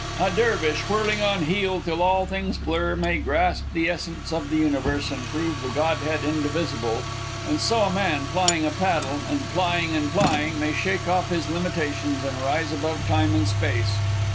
A dervish, whirling on heel till all things blur, may grasp the essence of the universe and prove the Godhead indivisible; and so a man, plying a paddle, and plying and plying, may shake off his limitations and rise above time and space.